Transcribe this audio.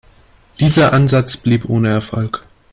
Dieser Ansatz blieb ohne Erfolg.